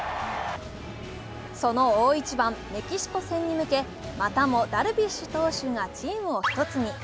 その大一番、メキシコ戦に向けまたもダルビッシュ投手がチームを一つに。